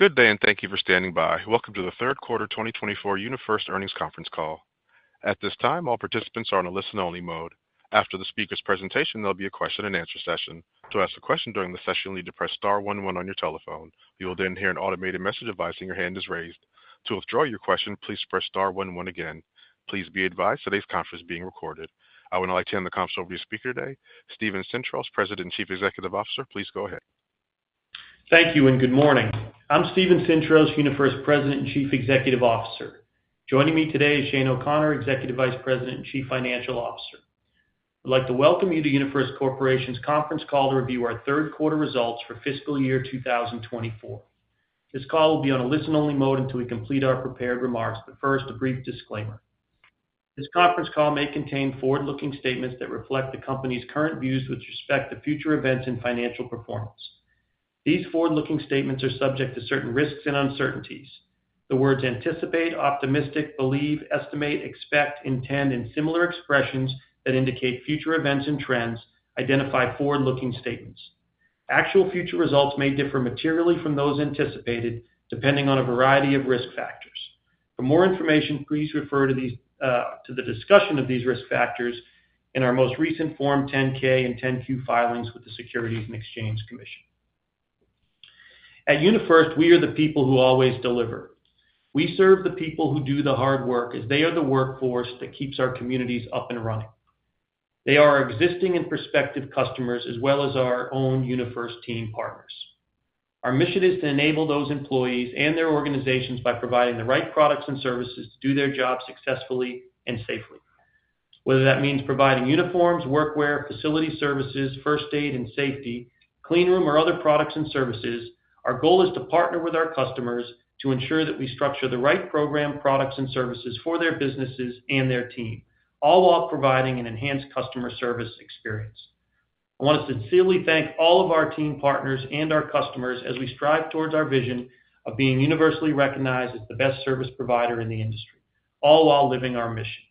Good day, and thank you for standing by. Welcome to the third quarter 2024 UniFirst earnings conference call. At this time, all participants are on a listen-only mode. After the speaker's presentation, there'll be a question and answer session. To ask a question during the session, you'll need to press star one one on your telephone. You will then hear an automated message advising your hand is raised. To withdraw your question, please press star one one again. Please be advised, today's conference is being recorded. I would now like to turn the conference over to your speaker today, Steven Sintros, President and Chief Executive Officer. Please go ahead. Thank you and good morning. I'm Steven Sintros, UniFirst President and Chief Executive Officer. Joining me today is Shane O’Connor, Executive Vice President and Chief Financial Officer. I'd like to welcome you to UniFirst Corporation's conference call to review our third quarter results for fiscal year 2024. This call will be on a listen-only mode until we complete our prepared remarks, but first, a brief disclaimer. This conference call may contain forward-looking statements that reflect the company's current views with respect to future events and financial performance. These forward-looking statements are subject to certain risks and uncertainties. The words anticipate, optimistic, believe, estimate, expect, intend, and similar expressions that indicate future events and trends identify forward-looking statements. Actual future results may differ materially from those anticipated, depending on a variety of risk factors. For more information, please refer to these, to the discussion of these risk factors in our most recent Form 10-K and 10-Q filings with the Securities and Exchange Commission. At UniFirst, we are the people who always deliver. We serve the people who do the hard work, as they are the workforce that keeps our communities up and running. They are our existing and prospective customers, as well as our own UniFirst team partners. Our mission is to enable those employees and their organizations by providing the right products and services to do their jobs successfully and safely. Whether that means providing uniforms, workwear, facility services, first aid and safety, cleanroom or other products and services, our goal is to partner with our customers to ensure that we structure the right program, products and services for their businesses and their team, all while providing an enhanced customer service experience. I want to sincerely thank all of our team partners and our customers as we strive towards our vision of being universally recognized as the best service provider in the industry, all while living our mission.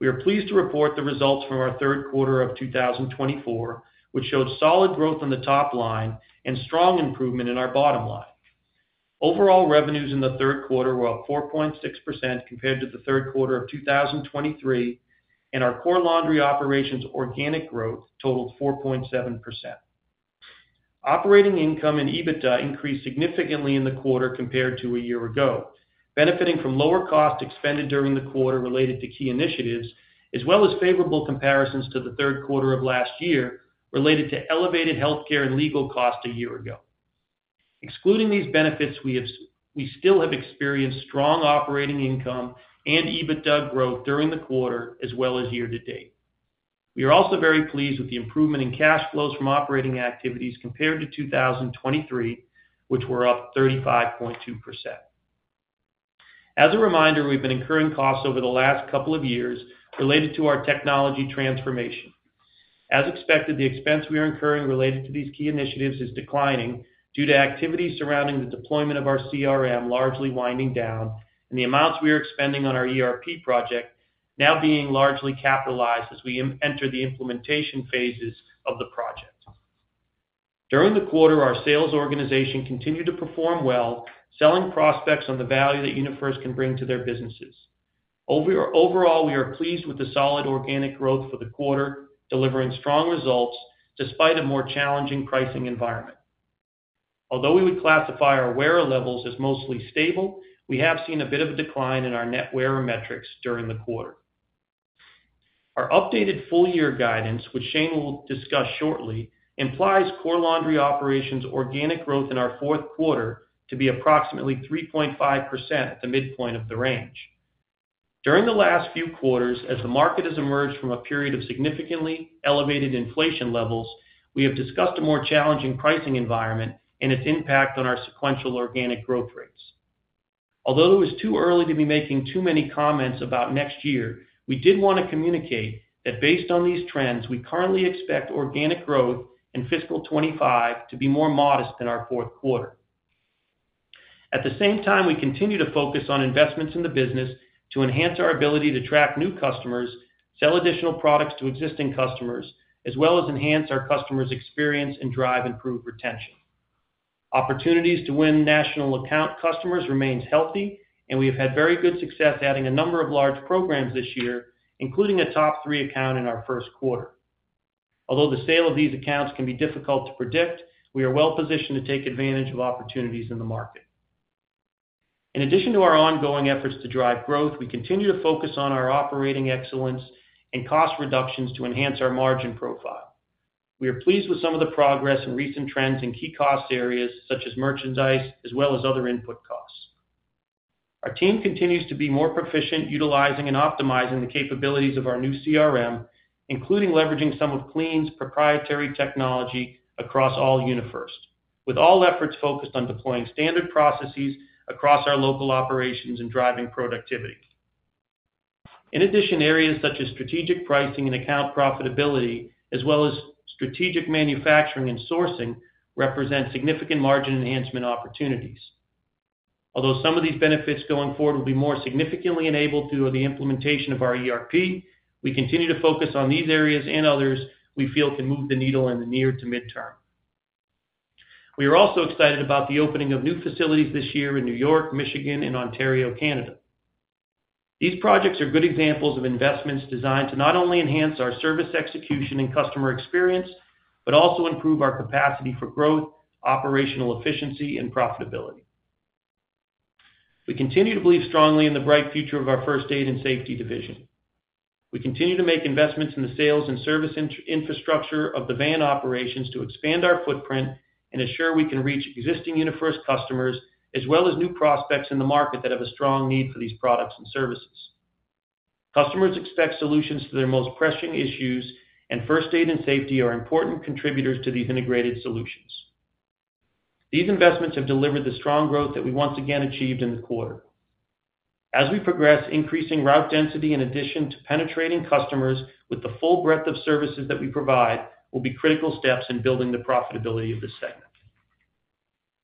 We are pleased to report the results from our third quarter of 2024, which showed solid growth on the top line and strong improvement in our bottom line. Overall, revenues in the third quarter were up 4.6% compared to the third quarter of 2023, and our Core Laundry Operations organic growth totaled 4.7%. Operating income and EBITDA increased significantly in the quarter compared to a year ago, benefiting from lower cost expended during the quarter related to key initiatives, as well as favorable comparisons to the third quarter of last year, related to elevated healthcare and legal costs a year ago. Excluding these benefits, we still have experienced strong operating income and EBITDA growth during the quarter as well as year to date. We are also very pleased with the improvement in cash flows from operating activities compared to 2023, which were up 35.2%. As a reminder, we've been incurring costs over the last couple of years related to our technology transformation. As expected, the expense we are incurring related to these key initiatives is declining due to activities surrounding the deployment of our CRM, largely winding down, and the amounts we are expending on our ERP project now being largely capitalized as we enter the implementation phases of the project. During the quarter, our sales organization continued to perform well, selling prospects on the value that UniFirst can bring to their businesses. Overall, we are pleased with the solid organic growth for the quarter, delivering strong results despite a more challenging pricing environment. Although we would classify our wearer levels as mostly stable, we have seen a bit of a decline in our net wearer metrics during the quarter. Our updated full year guidance, which Shane will discuss shortly, implies Core Laundry Operations organic growth in our fourth quarter to be approximately 3.5% at the midpoint of the range. During the last few quarters, as the market has emerged from a period of significantly elevated inflation levels, we have discussed a more challenging pricing environment and its impact on our sequential organic growth rates. Although it was too early to be making too many comments about next year, we did want to communicate that based on these trends, we currently expect organic growth in fiscal 2025 to be more modest than our fourth quarter. At the same time, we continue to focus on investments in the business to enhance our ability to track new customers, sell additional products to existing customers, as well as enhance our customers' experience and drive improved retention. Opportunities to win national account customers remains healthy, and we have had very good success adding a number of large programs this year, including a top three account in our first quarter. Although the sale of these accounts can be difficult to predict, we are well positioned to take advantage of opportunities in the market. In addition to our ongoing efforts to drive growth, we continue to focus on our operating excellence and cost reductions to enhance our margin profile. We are pleased with some of the progress and recent trends in key cost areas such as merchandise as well as other input costs. Our team continues to be more proficient, utilizing and optimizing the capabilities of our new CRM, including leveraging some of Clean's proprietary technology across all UniFirst, with all efforts focused on deploying standard processes across our local operations and driving productivity. In addition, areas such as strategic pricing and account profitability, as well as strategic manufacturing and sourcing, represent significant margin enhancement opportunities. Although some of these benefits going forward will be more significantly enabled through the implementation of our ERP, we continue to focus on these areas and others we feel can move the needle in the near to midterm. We are also excited about the opening of new facilities this year in New York, Michigan, and Ontario, Canada. These projects are good examples of investments designed to not only enhance our service execution and customer experience, but also improve our capacity for growth, operational efficiency, and profitability. We continue to believe strongly in the bright future of our first aid and safety division. We continue to make investments in the sales and service infrastructure of the van operations to expand our footprint and ensure we can reach existing UniFirst customers, as well as new prospects in the market that have a strong need for these products and services. Customers expect solutions to their most pressing issues, and first aid and safety are important contributors to these integrated solutions. These investments have delivered the strong growth that we once again achieved in the quarter. As we progress, increasing route density in addition to penetrating customers with the full breadth of services that we provide, will be critical steps in building the profitability of this segment.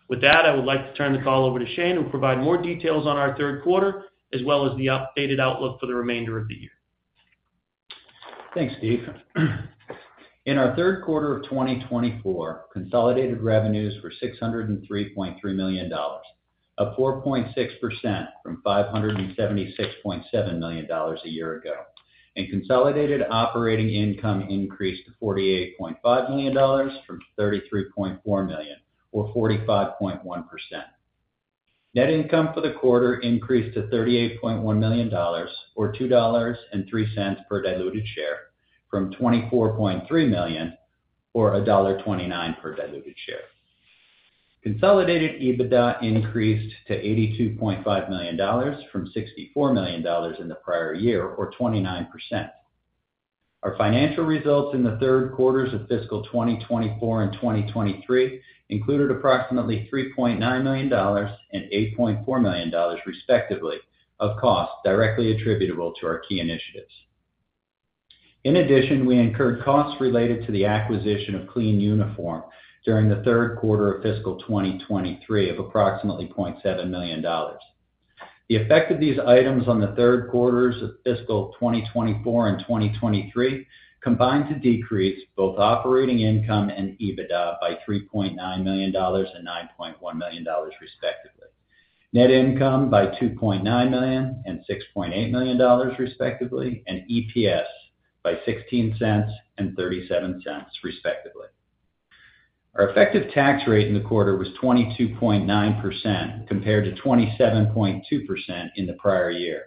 With that, I would like to turn the call over to Shane, who'll provide more details on our third quarter, as well as the updated outlook for the remainder of the year. Thanks, Steve. In our third quarter of 2024, consolidated revenues were $603.3 million, up 4.6% from $576.7 million a year ago, and consolidated operating income increased to $48.5 million from $33.4 million, or 45.1%. Net income for the quarter increased to $38.1 million, or $2.03 per diluted share, from $24.3 million, or $1.29 per diluted share. Consolidated EBITDA increased to $82.5 million from $64 million in the prior year, or 29%. Our financial results in the third quarters of fiscal 2024 and 2023 included approximately $3.9 million and $8.4 million, respectively, of costs directly attributable to our key initiatives. In addition, we incurred costs related to the acquisition of Clean Uniform during the third quarter of fiscal 2023 of approximately $0.7 million. The effect of these items on the third quarters of fiscal 2024 and 2023 combined to decrease both operating income and EBITDA by $3.9 million and $9.1 million, respectively. Net income by $2.9 million and $6.8 million, respectively, and EPS by $0.16 and $0.37, respectively. Our effective tax rate in the quarter was 22.9%, compared to 27.2% in the prior year.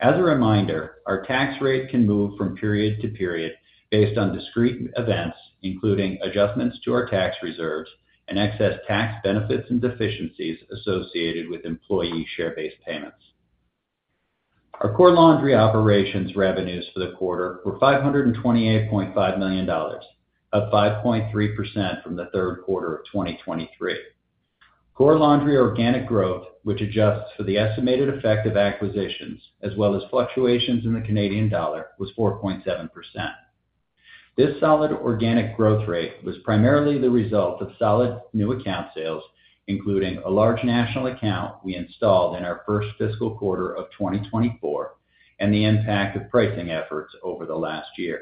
As a reminder, our tax rate can move from period to period based on discrete events, including adjustments to our tax reserves and excess tax benefits and deficiencies associated with employee share-based payments. Our Core Laundry Operations revenues for the quarter were $528.5 million, up 5.3% from the third quarter of 2023. Core Laundry organic growth, which adjusts for the estimated effect of acquisitions, as well as fluctuations in the Canadian dollar, was 4.7%. This solid organic growth rate was primarily the result of solid new account sales, including a large national account we installed in our first fiscal quarter of 2024, and the impact of pricing efforts over the last year.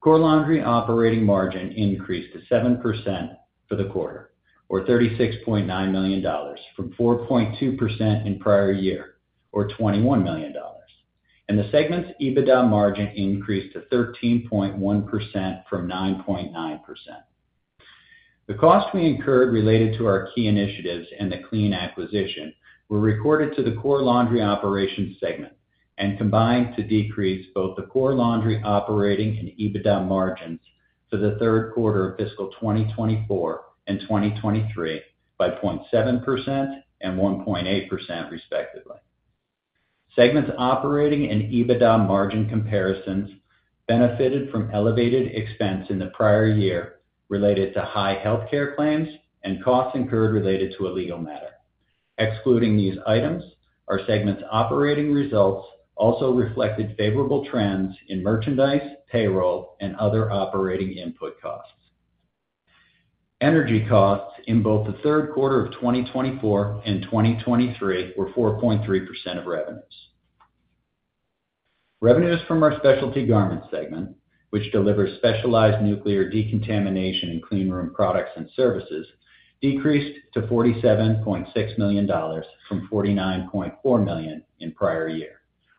Core Laundry operating margin increased to 7% for the quarter, or $36.9 million, from 4.2% in prior year, or $21 million. And the segment's EBITDA margin increased to 13.1% from 9.9%. The costs we incurred related to our key initiatives and the Clean acquisition were recorded to the Core Laundry Operations segment and combined to decrease both the Core Laundry operating and EBITDA margins for the third quarter of fiscal 2024 and 2023 by 0.7% and 1.8%, respectively. The segment's operating and EBITDA margin comparisons benefited from elevated expenses in the prior year related to high healthcare claims and costs incurred related to a legal matter. Excluding these items, our segment's operating results also reflected favorable trends in merchandise, payroll, and other operating input costs. Energy costs in both the third quarter of 2024 and 2023 were 4.3% of revenues. Revenues from our Specialty Garment segment, which delivers specialized nuclear decontamination and cleanroom products and services, decreased to $47.6 million from $49.4 million in prior year,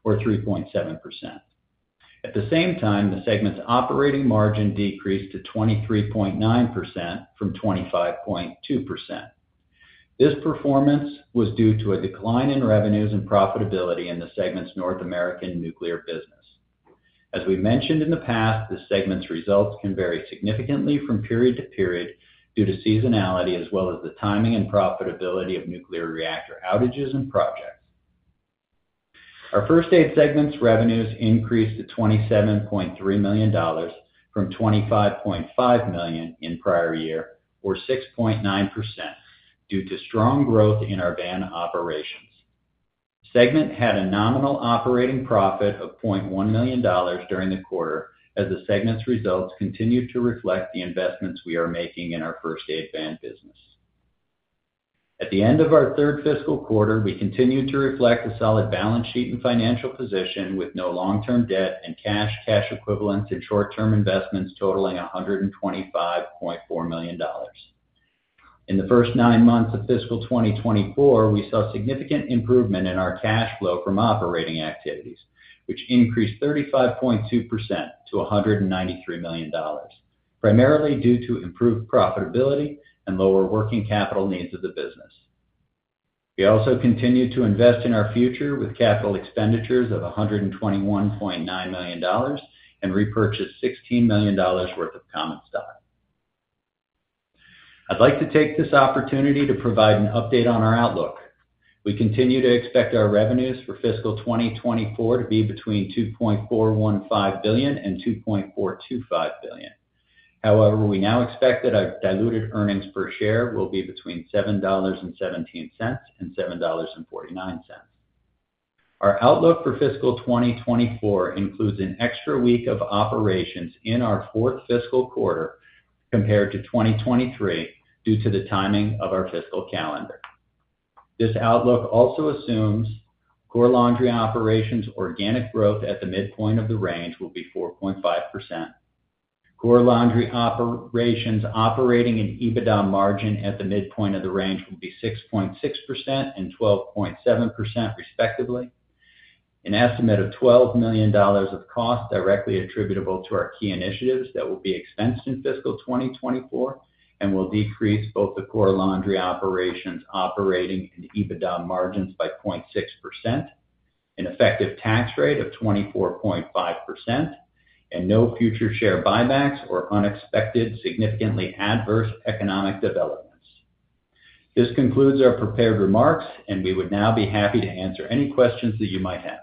or 3.7%. At the same time, the segment's operating margin decreased to 23.9% from 25.2%. This performance was due to a decline in revenues and profitability in the segment's North American nuclear business. As we mentioned in the past, this segment's results can vary significantly from period to period due to seasonality, as well as the timing and profitability of nuclear reactor outages and projects. Our First Aid segment's revenues increased to $27.3 million from $25.5 million in prior year, or 6.9%, due to strong growth in our van operations. Segment had a nominal operating profit of $0.1 million during the quarter, as the segment's results continue to reflect the investments we are making in our first aid and safety business. At the end of our third fiscal quarter, we continued to reflect a solid balance sheet and financial position, with no long-term debt and cash, cash equivalents, and short-term investments totaling $125.4 million. In the first nine months of fiscal 2024, we saw significant improvement in our cash flow from operating activities, which increased 35.2% to $193 million, primarily due to improved profitability and lower working capital needs of the business. We also continued to invest in our future with capital expenditures of $121.9 million and repurchased $16 million worth of common stock. I'd like to take this opportunity to provide an update on our outlook. We continue to expect our revenues for fiscal 2024 to be between $2.415 billion and $2.425 billion. However, we now expect that our diluted earnings per share will be between $7.17 and $7.49. Our outlook for fiscal 2024 includes an extra week of operations in our fourth fiscal quarter compared to 2023, due to the timing of our fiscal calendar. This outlook also assumes Core Laundry Operations organic growth at the midpoint of the range will be 4.5%. Core Laundry Operations operating and EBITDA margin at the midpoint of the range will be 6.6% and 12.7% respectively. An estimate of $12 million of cost directly attributable to our key initiatives that will be expensed in fiscal 2024 and will decrease both the Core Laundry Operations operating and EBITDA margins by 0.6%, an effective tax rate of 24.5%, and no future share buybacks or unexpected, significantly adverse economic developments. This concludes our prepared remarks, and we would now be happy to answer any questions that you might have.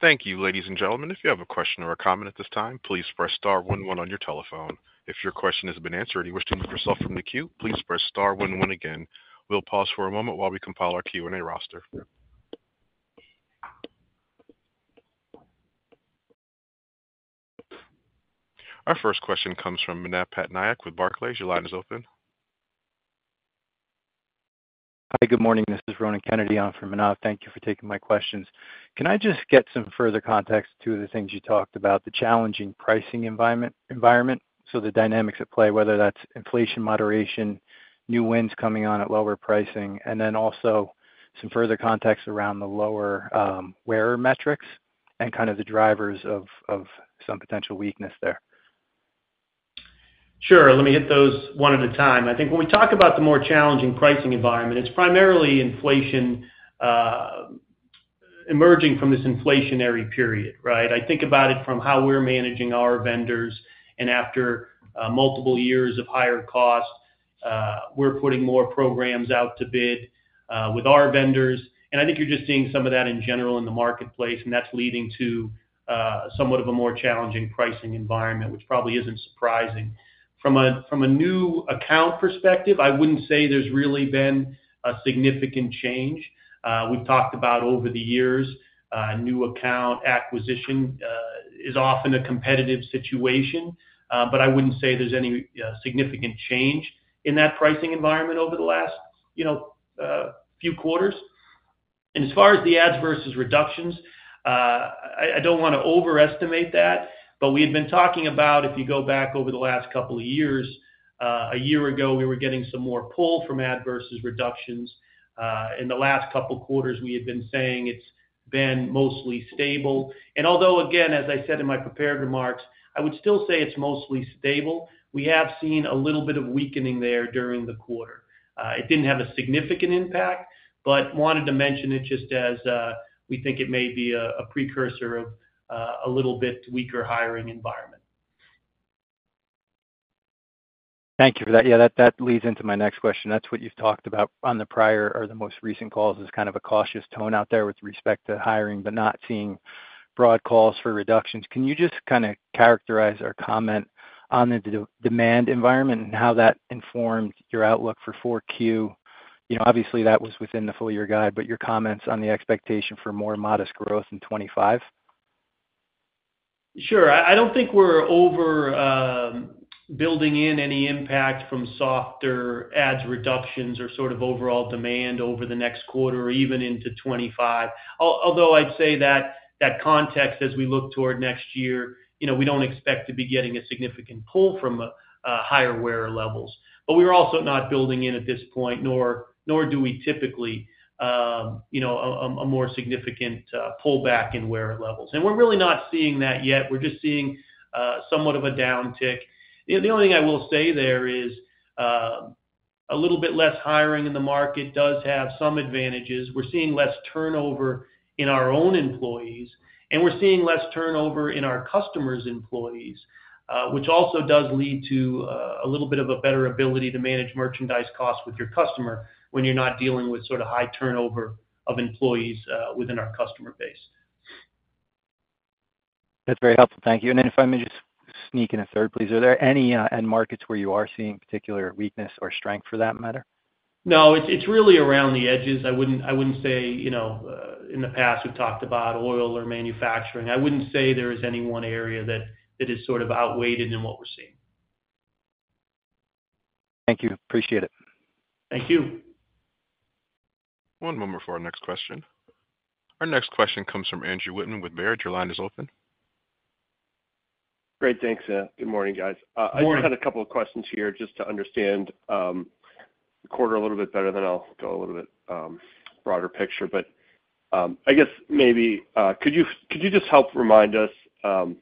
Thank you, ladies and gentlemen. If you have a question or a comment at this time, please press star one one on your telephone. If your question has been answered and you wish to remove yourself from the queue, please press star one one again. We'll pause for a moment while we compile our Q&A roster. Our first question comes from Manav Patnaik with Barclays. Your line is open. Hi, good morning. This is Ronan Kennedy on for Manav. Thank you for taking my questions. Can I just get some further context to the things you talked about, the challenging pricing environment, so the dynamics at play, whether that's inflation, moderation, new wins coming on at lower pricing, and then also some further context around the lower wearer metrics and kind of the drivers of some potential weakness there? Sure. Let me hit those one at a time. I think when we talk about the more challenging pricing environment, it's primarily inflation emerging from this inflationary period, right? I think about it from how we're managing our vendors, and after multiple years of higher costs, we're putting more programs out to bid with our vendors. And I think you're just seeing some of that in general in the marketplace, and that's leading to somewhat of a more challenging pricing environment, which probably isn't surprising. From a new account perspective, I wouldn't say there's really been a significant change. We've talked about over the years, new account acquisition is often a competitive situation, but I wouldn't say there's any significant change in that pricing environment over the last, you know, few quarters. And as far as the adds versus reductions, I don't wanna overestimate that, but we had been talking about, if you go back over the last couple of years, a year ago, we were getting some more pull from adds versus reductions. In the last couple quarters, we had been saying it's been mostly stable. And although, again, as I said in my prepared remarks, I would still say it's mostly stable, we have seen a little bit of weakening there during the quarter. It didn't have a significant impact, but wanted to mention it just as we think it may be a precursor of a little bit weaker hiring environment. Thank you for that. Yeah, that, that leads into my next question. That's what you've talked about on the prior or the most recent calls, is kind of a cautious tone out there with respect to hiring, but not seeing broad calls for reductions. Can you just kind of characterize or comment on the demand environment and how that informs your outlook for 4Q? You know, obviously, that was within the full year guide, but your comments on the expectation for more modest growth in 2025. Sure. I don't think we're over building in any impact from softer adds reductions or sort of overall demand over the next quarter or even into 2025. Although I'd say that context as we look toward next year, you know, we don't expect to be getting a significant pull from higher wearer levels. But we're also not building in at this point, nor do we typically, you know, a more significant pullback in wearer levels. And we're really not seeing that yet. We're just seeing somewhat of a downtick. You know, the only thing I will say there is a little bit less hiring in the market does have some advantages. We're seeing less turnover in our own employees, and we're seeing less turnover in our customers' employees, which also does lead to a little bit of a better ability to manage merchandise costs with your customer when you're not dealing with sort of high turnover of employees within our customer base. That's very helpful. Thank you. And then if I may just sneak in a third, please. Are there any end markets where you are seeing particular weakness or strength for that matter? No, it's really around the edges. I wouldn't say, you know, in the past, we've talked about oil or manufacturing. I wouldn't say there is any one area that is sort of outweighed in what we're seeing. Thank you. Appreciate it. Thank you. One moment for our next question. Our next question comes from Andrew Wittmann with Baird. Your line is open. Great. Thanks, yeah. Good morning, guys. Good morning. I just had a couple of questions here just to understand the quarter a little bit better, then I'll go a little bit broader picture. But, I guess maybe, could you, could you just help remind us on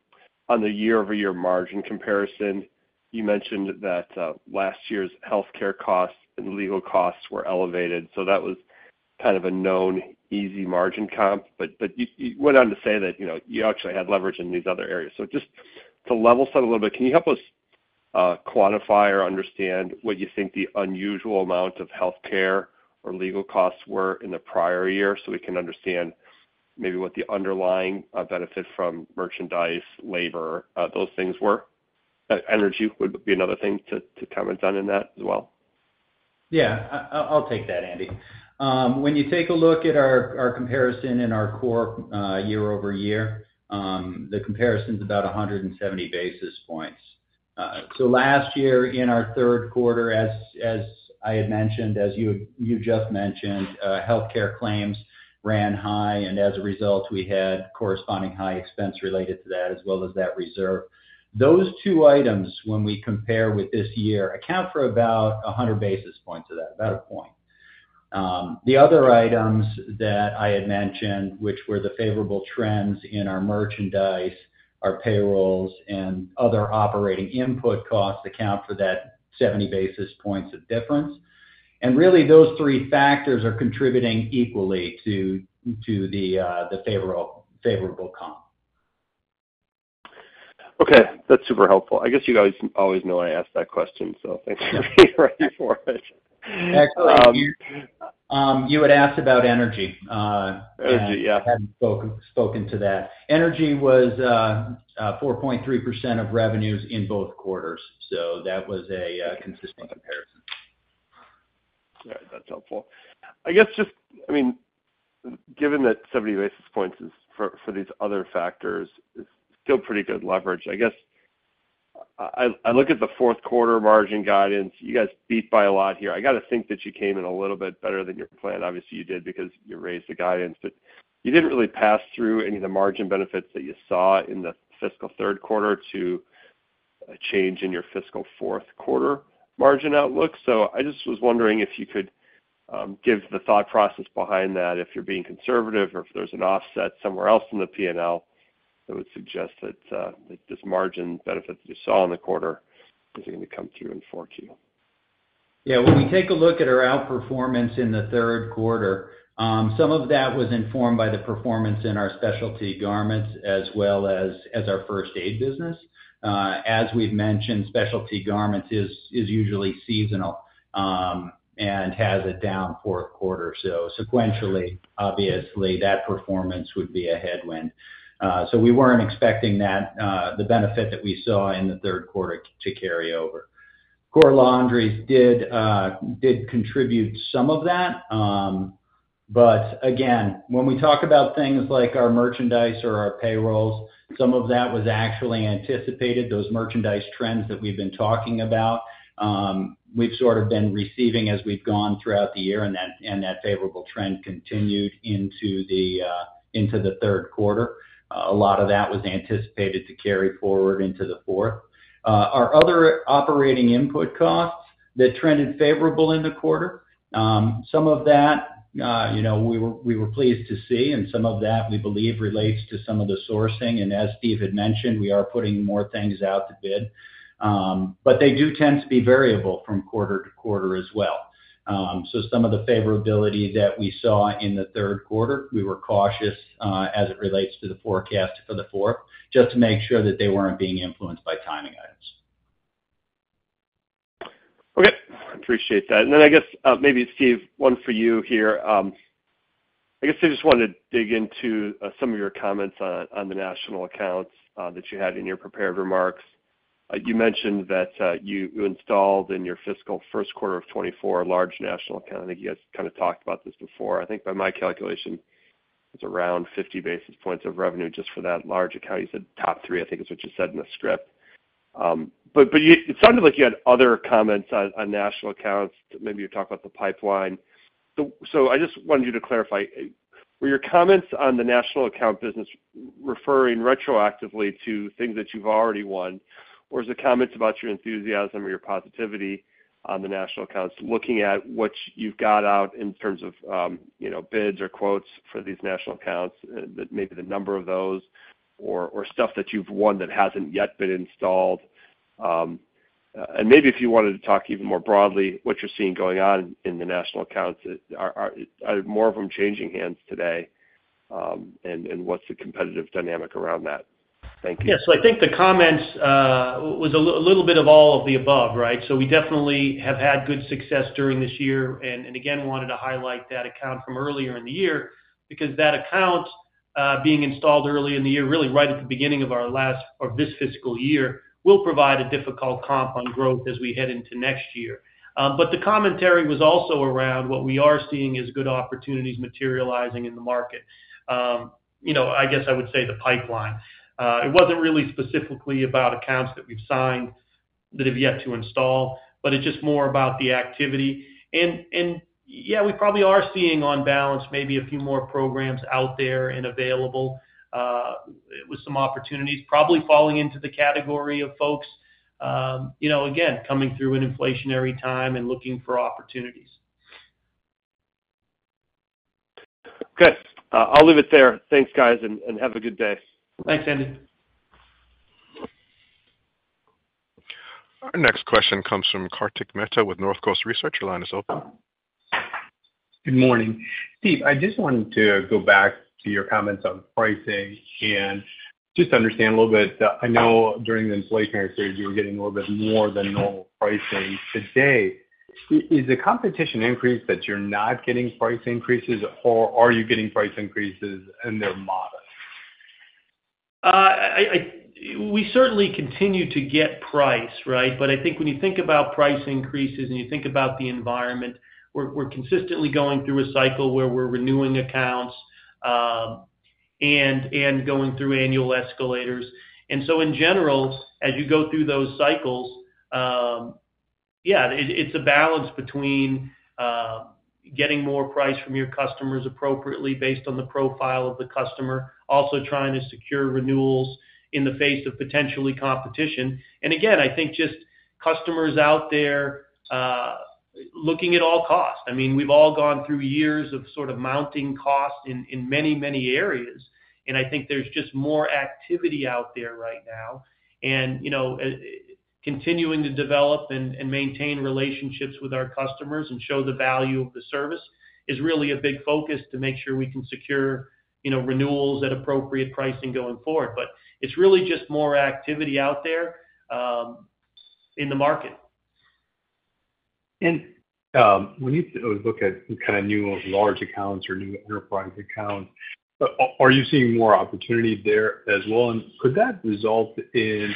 the year-over-year margin comparison, you mentioned that last year's healthcare costs and legal costs were elevated, so that was kind of a known easy margin comp. But, but you, you went on to say that, you know, you actually had leverage in these other areas. So just to level set a little bit, can you help us quantify or understand what you think the unusual amount of healthcare or legal costs were in the prior year, so we can understand maybe what the underlying benefit from merchandise, labor, those things were? Energy would be another thing to comment on in that as well. Yeah. I, I'll take that, Andy. When you take a look at our comparison in our core year-over-year, the comparison's about 170 basis points. So last year in our third quarter, as I had mentioned, as you just mentioned, healthcare claims ran high, and as a result, we had corresponding high expense related to that, as well as that reserve. Those two items, when we compare with this year, account for about 100 basis points of that, about a point. The other items that I had mentioned, which were the favorable trends in our merchandise, our payrolls, and other operating input costs, account for that 70 basis points of difference. And really, those three factors are contributing equally to the favorable, favorable comp. Okay, that's super helpful. I guess you guys always know I ask that question, so thanks for being ready for it. Actually, you had asked about energy. Energy, yeah. I hadn't spoken to that. Energy was 4.3% of revenues in both quarters, so that was a consistent comparison. All right. That's helpful. I guess just I mean, given that 70 basis points is for, for these other factors, is still pretty good leverage. I guess I look at the fourth quarter margin guidance. You guys beat by a lot here. I gotta think that you came in a little bit better than you planned. Obviously, you did because you raised the guidance, but you didn't really pass through any of the margin benefits that you saw in the fiscal third quarter to a change in your fiscal fourth quarter margin outlook. So I just was wondering if you could give the thought process behind that, if you're being conservative or if there's an offset somewhere else in the P&L that would suggest that this margin benefit that you saw in the quarter is gonna come through in 4Q. Yeah. When we take a look at our outperformance in the third quarter, some of that was informed by the performance in our specialty garments as well as our first aid business. As we've mentioned, specialty garments is usually seasonal and has a down fourth quarter. So sequentially, obviously, that performance would be a headwind. So we weren't expecting that the benefit that we saw in the third quarter to carry over. Core Laundry did contribute some of that. But again, when we talk about things like our merchandise or our payrolls, some of that was actually anticipated. Those merchandise trends that we've been talking about, we've sort of been receiving as we've gone throughout the year, and that favorable trend continued into the third quarter. A lot of that was anticipated to carry forward into the fourth. Our other operating input costs that trended favorable in the quarter, some of that, you know, we were pleased to see, and some of that we believe relates to some of the sourcing. As Steve had mentioned, we are putting more things out to bid. But they do tend to be variable from quarter to quarter as well. So some of the favorability that we saw in the third quarter, we were cautious, as it relates to the forecast for the fourth, just to make sure that they weren't being influenced by timing items. Okay, appreciate that. And then, I guess, maybe Steve, one for you here. I guess I just wanted to dig into some of your comments on the national accounts that you had in your prepared remarks. You mentioned that you installed in your fiscal first quarter of 2024, a large national account. I think you guys kind of talked about this before. I think by my calculation, it's around 50 basis points of revenue just for that large account. You said top three, I think, is what you said in the script. But you-- it sounded like you had other comments on national accounts. Maybe you talked about the pipeline. So I just wanted you to clarify, were your comments on the national account business referring retroactively to things that you've already won? Or is the comments about your enthusiasm or your positivity on the national accounts, looking at what you've got out in terms of, you know, bids or quotes for these national accounts, that maybe the number of those or stuff that you've won that hasn't yet been installed? And maybe if you wanted to talk even more broadly, what you're seeing going on in the national accounts. Are more of them changing hands today? And what's the competitive dynamic around that? Thank you. Yeah, so I think the comments was a little bit of all of the above, right? So we definitely have had good success during this year, and again, wanted to highlight that account from earlier in the year, because that account being installed early in the year, really right at the beginning of our last or this fiscal year, will provide a difficult comp on growth as we head into next year. But the commentary was also around what we are seeing as good opportunities materializing in the market. You know, I guess I would say the pipeline. It wasn't really specifically about accounts that we've signed that have yet to install, but it's just more about the activity. Yeah, we probably are seeing on balance, maybe a few more programs out there and available, with some opportunities, probably falling into the category of folks, you know, again, coming through an inflationary time and looking for opportunities. Okay, I'll leave it there. Thanks, guys, and, and have a good day. Thanks, Andy. Our next question comes from Kartik Mehta with Northcoast Research. Your line is open. Good morning. Steve, I just wanted to go back to your comments on pricing and just to understand a little bit. I know during the inflationary period, you were getting a little bit more than normal pricing. Today, is the competition increase that you're not getting price increases, or are you getting price increases and they're modest? We certainly continue to get price, right? But I think when you think about price increases and you think about the environment, we're consistently going through a cycle where we're renewing accounts and going through annual escalators. And so in general, as you go through those cycles, it's a balance between getting more price from your customers appropriately based on the profile of the customer, also trying to secure renewals in the face of potentially competition. And again, I think just customers out there looking at all costs. I mean, we've all gone through years of sort of mounting costs in many, many areas, and I think there's just more activity out there right now. And, you know, continuing to develop and maintain relationships with our customers and show the value of the service is really a big focus to make sure we can secure, you know, renewals at appropriate pricing going forward. But it's really just more activity out there, in the market. When you look at kind of new large accounts or new enterprise accounts, are you seeing more opportunity there as well? And could that result in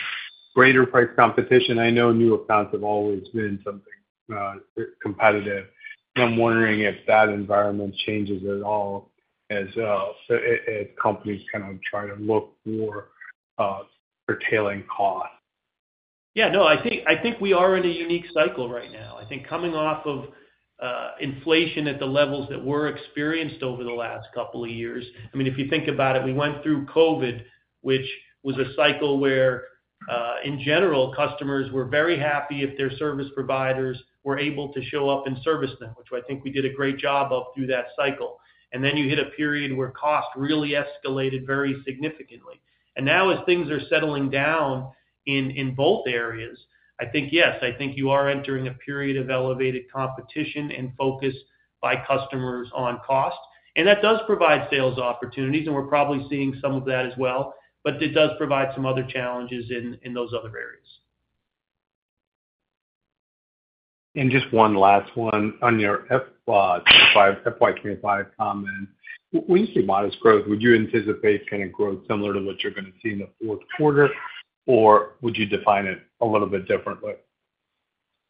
greater price competition? I know new accounts have always been something competitive. I'm wondering if that environment changes at all as well, so as companies kind of try to look more for cutting costs. Yeah, no, I think, I think we are in a unique cycle right now. I think coming off of inflation at the levels that were experienced over the last couple of years. I mean, if you think about it, we went through COVID, which was a cycle where, in general, customers were very happy if their service providers were able to show up and service them, which I think we did a great job of through that cycle. And then you hit a period where cost really escalated very significantly. And now, as things are settling down in both areas, I think, yes, I think you are entering a period of elevated competition and focus by customers on cost, and that does provide sales opportunities, and we're probably seeing some of that as well, but it does provide some other challenges in those other areas. And just one last one. On your FY 2025 comment, when you say modest growth, would you anticipate kind of growth similar to what you're going to see in the fourth quarter, or would you define it a little bit differently?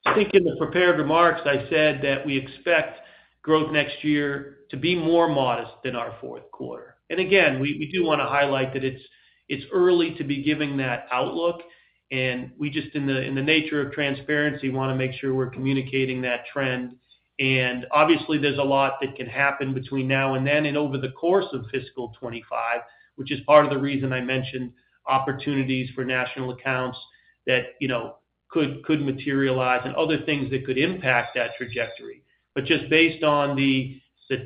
I think in the prepared remarks, I said that we expect growth next year to be more modest than our fourth quarter. And again, we do want to highlight that it's early to be giving that outlook, and we just, in the nature of transparency, want to make sure we're communicating that trend. And obviously, there's a lot that can happen between now and then and over the course of fiscal 2025, which is part of the reason I mentioned opportunities for national accounts that, you know, could materialize and other things that could impact that trajectory. But just based on the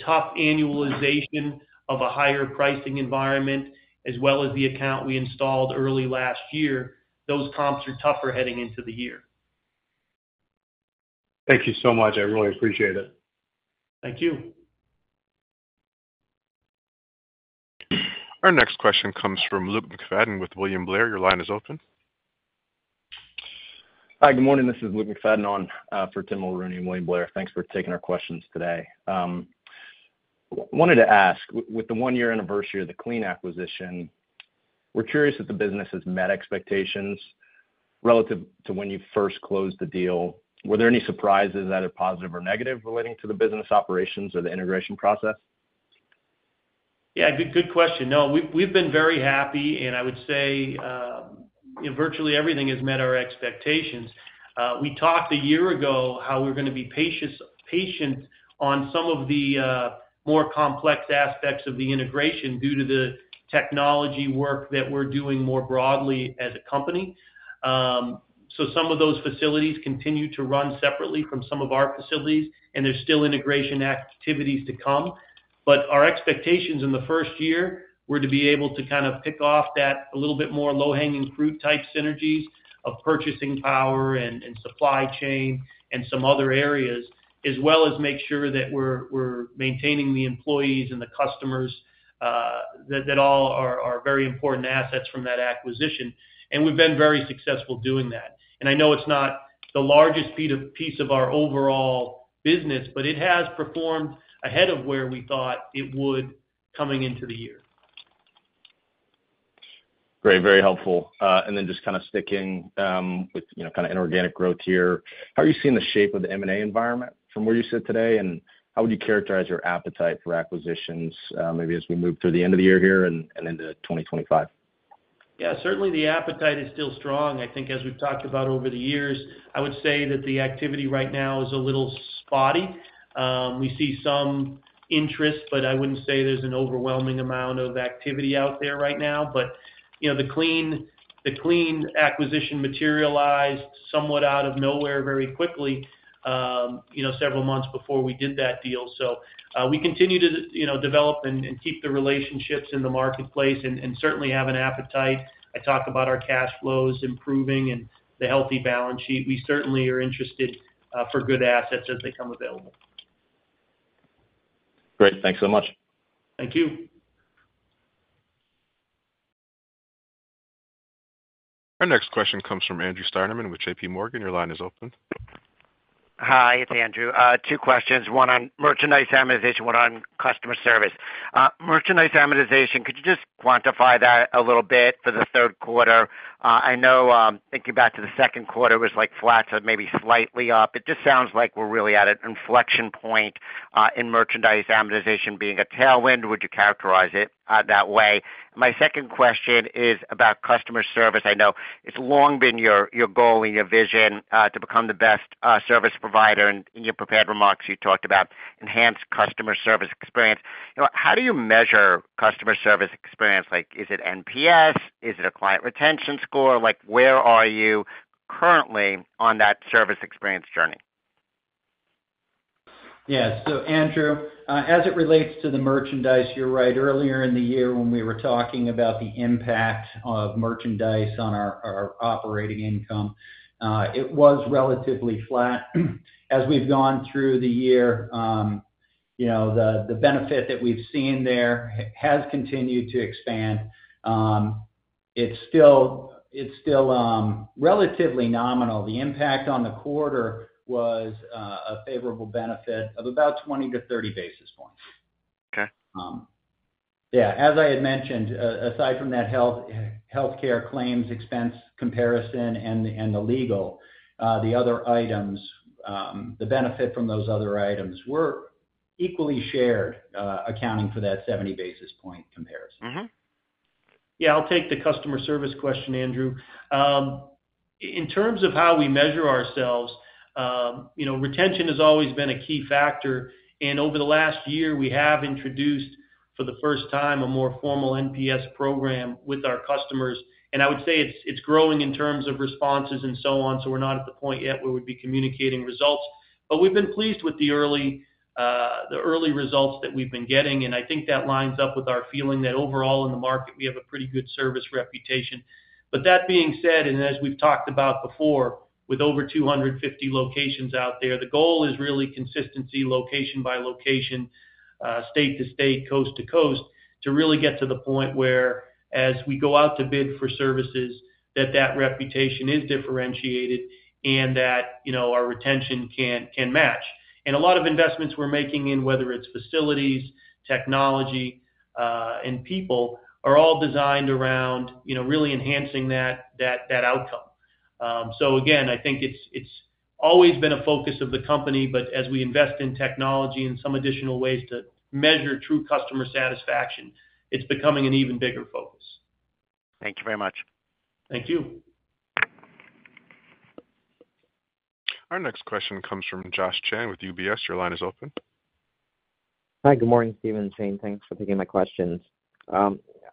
tough annualization of a higher pricing environment, as well as the account we installed early last year, those comps are tougher heading into the year. Thank you so much. I really appreciate it. Thank you. Our next question comes from Luke McFadden with William Blair. Your line is open. Hi, good morning. This is Luke McFadden on for Tim Mulrooney, William Blair. Thanks for taking our questions today. Wanted to ask, with the one-year anniversary of the Clean acquisition, we're curious if the business has met expectations relative to when you first closed the deal. Were there any surprises, either positive or negative, relating to the business operations or the integration process? Yeah, good, good question. No, we've been very happy, and I would say, virtually everything has met our expectations. We talked a year ago how we're gonna be patient on some of the more complex aspects of the integration due to the technology work that we're doing more broadly as a company. So some of those facilities continue to run separately from some of our facilities, and there's still integration activities to come. But our expectations in the first year were to be able to kind of pick off that a little bit more low-hanging fruit type synergies of purchasing power and supply chain and some other areas, as well as make sure that we're maintaining the employees and the customers, that all are very important assets from that acquisition. And we've been very successful doing that. I know it's not the largest piece of our overall business, but it has performed ahead of where we thought it would coming into the year. Great, very helpful. And then just kind of sticking with, you know, kind of inorganic growth here, how are you seeing the shape of the M&A environment from where you sit today? And how would you characterize your appetite for acquisitions, maybe as we move through the end of the year here and into 2025? Yeah, certainly, the appetite is still strong. I think as we've talked about over the years, I would say that the activity right now is a little spotty. We see some interest, but I wouldn't say there's an overwhelming amount of activity out there right now. But, you know, the Clean, the Clean acquisition materialized somewhat out of nowhere very quickly, you know, several months before we did that deal. So, we continue to, you know, develop and, and keep the relationships in the marketplace and, and certainly have an appetite. I talked about our cash flows improving and the healthy balance sheet. We certainly are interested, for good assets as they come available. Great. Thanks so much. Thank you. Our next question comes from Andrew Steinerman with JPMorgan. Your line is open. Hi, it's Andrew. Two questions, one on merchandise amortization, one on customer service. Merchandise amortization, could you just quantify that a little bit for the third quarter? I know, thinking back to the second quarter, it was like flat to maybe slightly up. It just sounds like we're really at an inflection point in merchandise amortization being a tailwind. Would you characterize it that way? My second question is about customer service. I know it's long been your, your goal and your vision to become the best service provider, and in your prepared remarks, you talked about enhanced customer service experience. You know, how do you measure customer service experience? Like, is it NPS? Is it a client retention score? Like, where are you currently on that service experience journey? Yeah. So Andrew, as it relates to the merchandise, you're right. Earlier in the year, when we were talking about the impact of merchandise on our operating income, it was relatively flat. As we've gone through the year, you know, the benefit that we've seen there has continued to expand. It's still, it's still, relatively nominal. The impact on the quarter was a favorable benefit of about 20-30 basis points. Yeah, as I had mentioned, aside from that healthcare claims expense comparison and the legal, the other items, the benefit from those other items were equally shared, accounting for that 70 basis point comparison. Yeah, I'll take the customer service question, Andrew. In terms of how we measure ourselves, you know, retention has always been a key factor, and over the last year, we have introduced, for the first time, a more formal NPS program with our customers. I would say it's, it's growing in terms of responses and so on, so we're not at the point yet where we'd be communicating results. But we've been pleased with the early, the early results that we've been getting, and I think that lines up with our feeling that overall in the market, we have a pretty good service reputation. But that being said, and as we've talked about before, with over 250 locations out there, the goal is really consistency, location by location, state to state, coast to coast, to really get to the point where, as we go out to bid for services, that that reputation is differentiated and that, you know, our retention can, can match. And a lot of investments we're making in, whether it's facilities, technology, and people, are all designed around, you know, really enhancing that, that, that outcome. So again, I think it's, it's always been a focus of the company, but as we invest in technology and some additional ways to measure true customer satisfaction, it's becoming an even bigger focus. Thank you very much. Thank you. Our next question comes from Josh Chan with UBS. Your line is open. Hi, good morning, Steven, Shane. Thanks for taking my questions.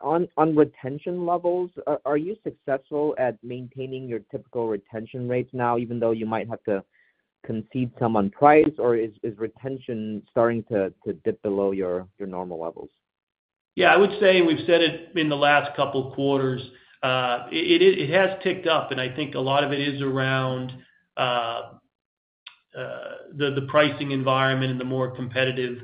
On retention levels, are you successful at maintaining your typical retention rates now, even though you might have to concede some on price, or is retention starting to dip below your normal levels? Yeah, I would say, we've said it in the last couple of quarters. It has ticked up, and I think a lot of it is around the pricing environment and the more competitive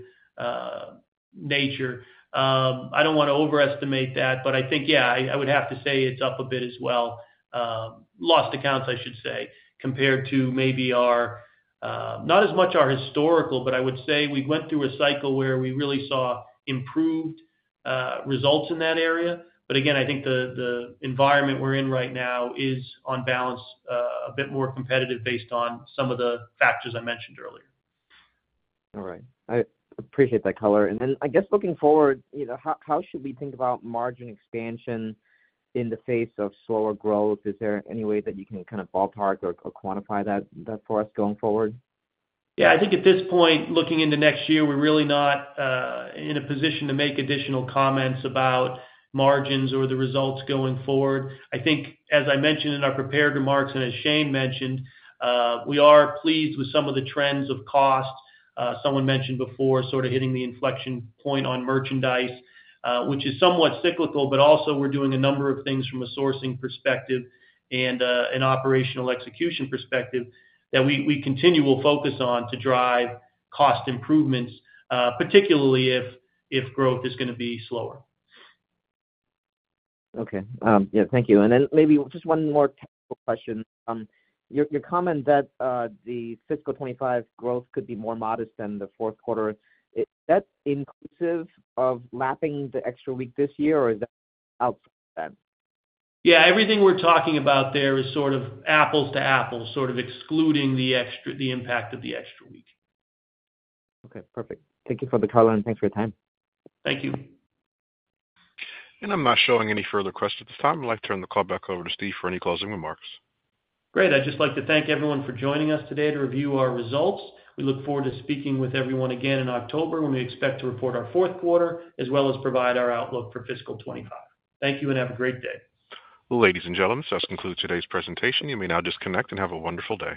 nature. I don't wanna overestimate that, but I think, yeah, I would have to say it's up a bit as well. Lost accounts, I should say, compared to maybe our, not as much our historical, but I would say we went through a cycle where we really saw improved results in that area. But again, I think the environment we're in right now is, on balance, a bit more competitive based on some of the factors I mentioned earlier. All right. I appreciate that color. And then, I guess, looking forward, you know, how, how should we think about margin expansion in the face of slower growth? Is there any way that you can kind of ballpark or, or quantify that, that for us going forward? Yeah, I think at this point, looking into next year, we're really not in a position to make additional comments about margins or the results going forward. I think, as I mentioned in our prepared remarks and as Shane mentioned, we are pleased with some of the trends of cost. Someone mentioned before, sort of hitting the inflection point on merchandise, which is somewhat cyclical, but also we're doing a number of things from a sourcing perspective and an operational execution perspective, that we continue will focus on to drive cost improvements, particularly if growth is gonna be slower. Okay. Yeah, thank you. And then maybe just one more technical question. Your comment that the fiscal 2025 growth could be more modest than the fourth quarter, is that inclusive of lapping the extra week this year, or is that outside then? Yeah, everything we're talking about there is sort of apples to apples, sort of excluding the extra, the impact of the extra week. Okay, perfect. Thank you for the color, and thanks for your time. Thank you. I'm not showing any further questions at this time. I'd like to turn the call back over to Steve for any closing remarks. Great. I'd just like to thank everyone for joining us today to review our results. We look forward to speaking with everyone again in October, when we expect to report our fourth quarter, as well as provide our outlook for fiscal 2025. Thank you, and have a great day. Ladies and gentlemen, this concludes today's presentation. You may now disconnect and have a wonderful day.